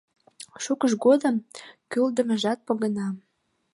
Шукыж годым кӱлдымыжат погына.